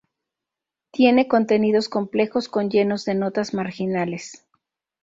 Tiene contenidos complejos con llenos de notas marginales.